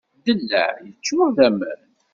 Ddellaɛ yeččur d aman.